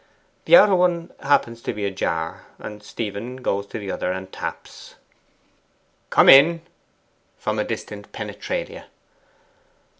The outer one happens to be ajar: Stephen goes to the other, and taps. 'Come in!' from distant penetralia.